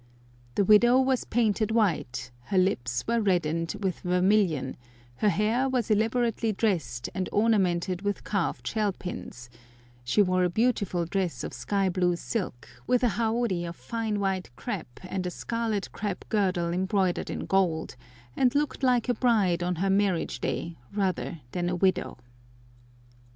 The widow was painted white; her lips were reddened with vermilion; her hair was elaborately dressed and ornamented with carved shell pins; she wore a beautiful dress of sky blue silk, with a haori of fine white crêpe and a scarlet crêpe girdle embroidered in gold, and looked like a bride on her marriage day rather than a widow.